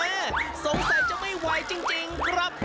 สงสัยจะไม่ไหวจริงครับ